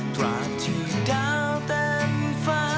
ตราดที่ก้าวเต็มฟ้า